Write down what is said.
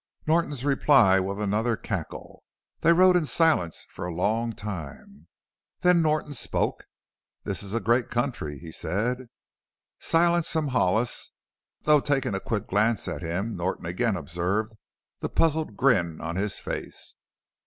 Norton's reply was another cackle. They rode in silence for a long time. Then Norton spoke. "This is a great country," he said. Silence from Hollis, though taking a quick glance at him Norton again observed the puzzled grin on his face.